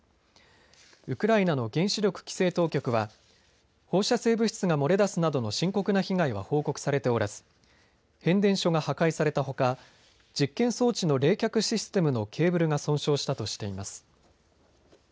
ウクライナの原子力規制当局は放射性物質が漏れ出すなどの深刻な被害は報告されておらず変電所が破壊されたほか実験装置の冷却システムのケーブルが損傷したとしています。